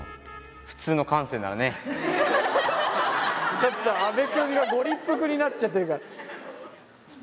ちょっと阿部君がご立腹になっちゃってるから。